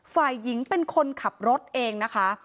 ฝ่ายหญิงเป็นคนขับรถเองนะคะ